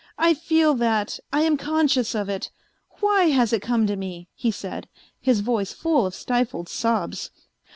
I feel that, I am conscious of it. Why has it come to me ?" he said, his voice full of stifled sobs.